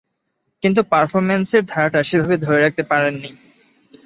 কিন্তু পারফরম্যান্সের ধারাটা সেভাবে ধরে রাখতে পারেননি।